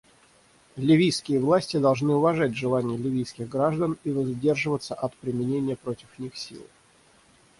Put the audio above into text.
Ливийские власти должны уважать желание ливийских граждан и воздерживаться от применения против них силы.